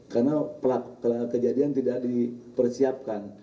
karena kejadian tidak dipersiapkan